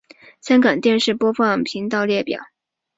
香港电视播放频道列表